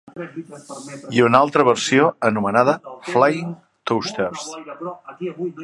I una altra versió anomenada Flying Toasters!